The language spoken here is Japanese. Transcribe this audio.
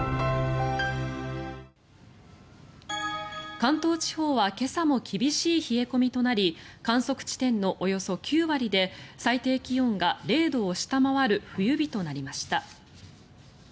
関東地方は今朝も厳しい冷え込みとなり観測地点のおよそ９割で最低気温が０度を下回る冬日となりました。